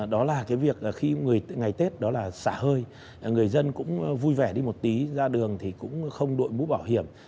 đó là cái việc khi ngày tết đó là xả hơi người dân cũng vui vẻ đi một tí ra đường thì cũng không đội mũ bảo hiểm